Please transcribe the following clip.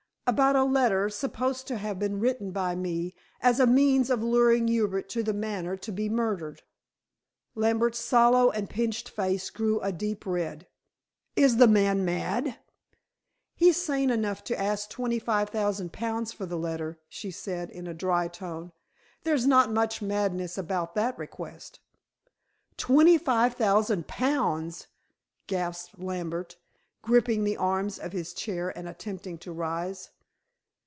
"About a letter supposed to have been written by me, as a means of luring Hubert to The Manor to be murdered." Lambert's sallow and pinched face grew a deep red. "Is the man mad?" "He's sane enough to ask twenty five thousand pounds for the letter," she said in a dry tone. "There's not much madness about that request." "Twenty five thousand pounds!" gasped Lambert, gripping the arms of his chair and attempting to rise.